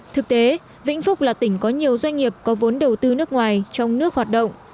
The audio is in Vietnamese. thực tế vĩnh phúc là tỉnh có nhiều doanh nghiệp có vốn đầu tư nước ngoài trong nước hoạt động